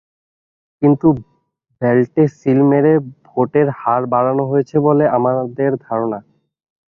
কিন্তু ব্যালটে সিল মেরে ভোটের হার বাড়ানো হয়েছে বলে আমাদের ধারণা।